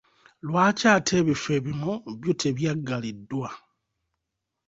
Lwaki ate ebifo ebimu byo tebyaggaliddwa?